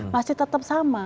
masih tetap sama